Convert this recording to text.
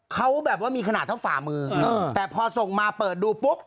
เขาแบบว่ามีขนาดเท่าฝ่ามือแต่พอส่งมาเปิดดูปุ๊บ